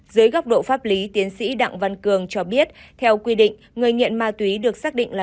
dưới góc độ pháp lý tiến sĩ đặng văn cường cho biết theo quy định người nghiện ma túy được xác định là